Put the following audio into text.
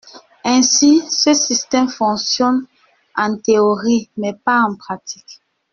Ainsi, ce système fonctionne en théorie, mais pas en pratique.